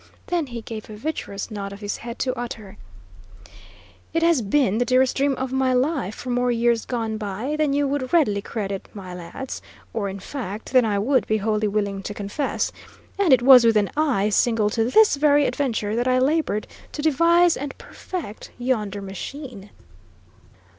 Then he gave a vigorous nod of his head, to utter: "It has been the dearest dream of my life for more years gone by than you would readily credit, my lads; or, in fact, than I would be wholly willing to confess. And it was with an eye single to this very adventure that I laboured to devise and perfect yonder machine."